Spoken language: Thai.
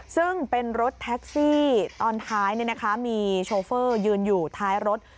ซึ่งเป็นรถแท็กซี่ตอนท้ายมีโชเฟอร์ยืนอยู่ท้ายรถ